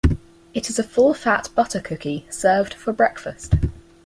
It is a full fat butter cookie served for breakfast.